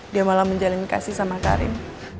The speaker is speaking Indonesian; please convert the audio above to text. dia malah menjalin kasih sama karim